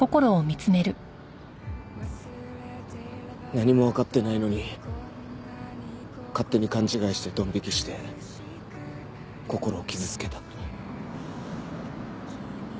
何もわかってないのに勝手に勘違いしてドン引きしてこころを傷つけた。